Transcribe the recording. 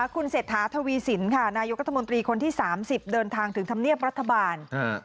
คุณเศรษฐาทวีสินค่ะนายกรัฐมนตรีคนที่๓๐เดินทางถึงธรรมเนียบรัฐบาล